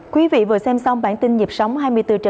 quý vị vừa xem xong bản tin nhịp sóng hai mươi bốn h bảy